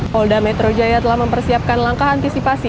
polda metro jaya telah mempersiapkan langkah antisipasi